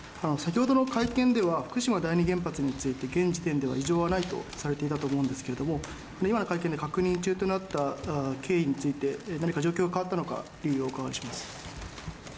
先ほどの会見では福島第２原発について現時点では異常はないとされていたと思うんですけれども今の関係の確認中となった経緯について、何か状況が変わったのかお伺いします。